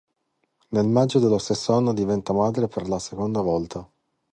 Nel maggio dello stesso anno diventa madre per la seconda volta.